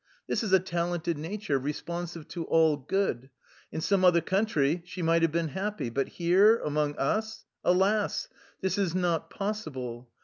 This is a talented nature, responsive to all good; in some other country she might have been happy, but here, among us — alas! This is not possible.